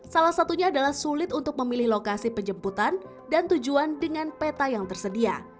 salah satunya adalah sulit untuk memilih lokasi penjemputan dan tujuan dengan peta yang tersedia